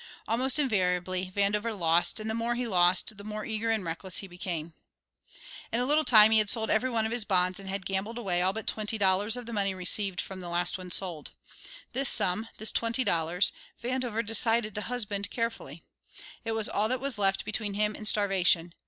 Almost invariably Vandover lost, and the more he lost the more eager and reckless he became. In a little time he had sold every one of his bonds and had gambled away all but twenty dollars of the money received from the last one sold. This sum, this twenty dollars, Vandover decided to husband carefully. It was all that was left between him and starvation.